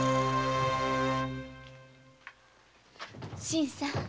新さん！